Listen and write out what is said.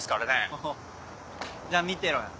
おっじゃあ見てろよ。